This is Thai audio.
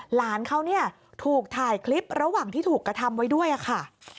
หลานเขาเนี่ยถูกถ่ายคลิประหว่างที่ถูกกระทำไว้ด้วยค่ะ